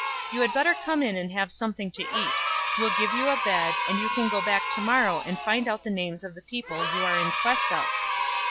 You had better come in and have something to eat; we'll give you a bed and you can go back to morrow and find out the names of the people you are in quest of."